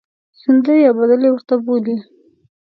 سندرې او بدلې ورته بولۍ.